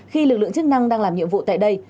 khi lực lượng chức năng đang làm nhiệm vụ tại đây